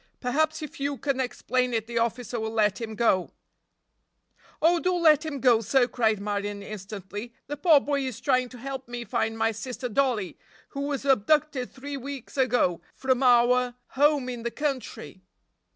"Perhaps if you can explain it the officer will let him go." "Oh, do let him go, sir," cried Marion instantly. "The poor boy is trying to help me find my sister Dollie, who was abducted three weeks ago from our home in the country!"